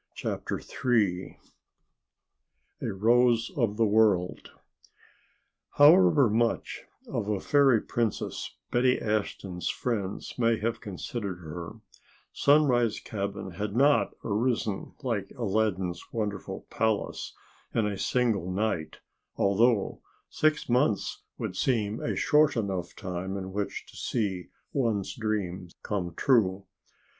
CHAPTER III "A Rose of the World" However much of a fairy Princess Betty Ashton's friends may have considered her, Sunrise cabin had not arisen like "Aladdin's Wonderful Palace" in a single night, although six months would seem a short enough time in which to see one's dream come true.